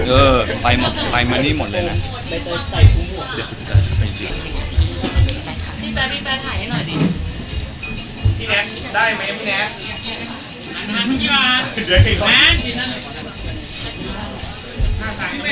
เออไฟมันนี่หมดเลยนะ